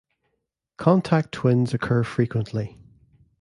Contact twins occur frequently.